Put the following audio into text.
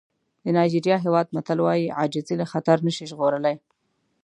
د نایجېریا هېواد متل وایي عاجزي له خطر نه شي ژغورلی.